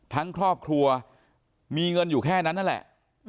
ครอบครัวมีเงินอยู่แค่นั้นนั่นแหละ